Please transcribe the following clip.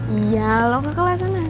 iya lo gak kelas sana